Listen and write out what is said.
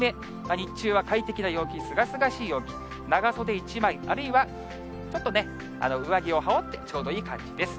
日中は快適な陽気、すがすがしい陽気、長袖１枚、あるいはちょっとね、上着を羽織ってちょうどいい感じです。